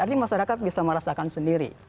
artinya masyarakat bisa merasakan sendiri